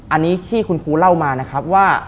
อันนี้ที่คุณครูเล่ามานะครับว่า